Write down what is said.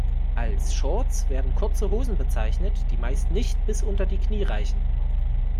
Als Shorts werden kurze Hosen bezeichnet, die meist nicht bis unter die Knie reichen.